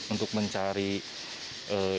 untuk mencari ideologi